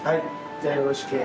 じゃあよろしく。